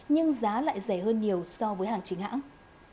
nhưng giá lại rẻ hơn nhiều so với hàng chính hãng